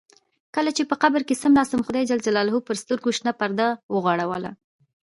کله چې په قبر کې څملاست خدای جل جلاله پر سترګو شنه پرده وغوړوله.